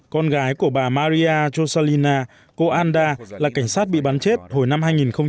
con gái của bà maria jocelina cô anda là cảnh sát bị bắn chết hồi năm hai nghìn một mươi bốn